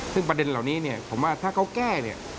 ซึ่งประเด็นเหล่านี้เนี่ยผมว่าถ้าเขาแก้เนี่ย